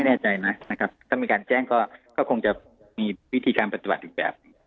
ไม่แน่ใจนะถ้ามีการแจ้งก็คงจะมีวิธีการปฏิบัติอีกแบบ